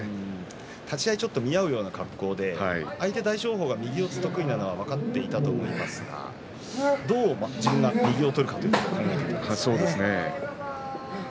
立ち合いちょっと見合うような形で相手大翔鵬は右四つ得意なのは分かっていますからどう自分が右を取るかというところですね。